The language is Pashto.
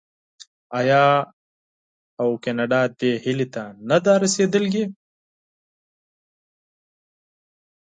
آیا او کاناډا دې هیلې ته نه ده رسیدلې؟